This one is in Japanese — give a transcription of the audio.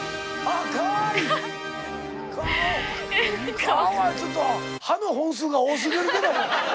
顔はちょっと歯の本数が多すぎるけども。